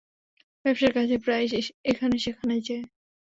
ব্যবসার কাজে প্রায়ই এখানে সেখানে যায়!